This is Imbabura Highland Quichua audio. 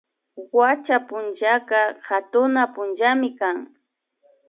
Wacha punllaka hatuna punllakunamikan